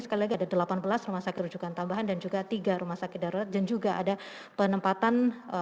sekali lagi ada delapan belas rumah sakit rujukan tambahan dan juga tiga rumah sakit darurat dan juga ada penempatan